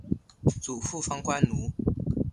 祖父方关奴。